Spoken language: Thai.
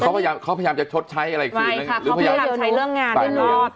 เขาพยายามจะชดใช้อะไรอีกทีอีกนึงหรือพยายามใช้เรื่องงานมารอต่อ